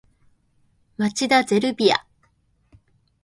町田ゼルビア